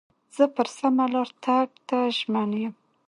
زه پر سمه لار تګ ته ژمن یم.